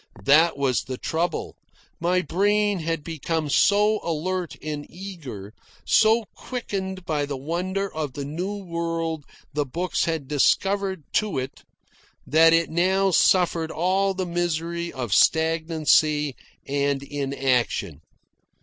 That was the trouble. My brain had become so alert and eager, so quickened by the wonder of the new world the books had discovered to it, that it now suffered all the misery of stagnancy and inaction.